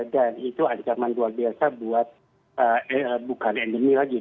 dan itu ancaman luar biasa buat bukan endemi lagi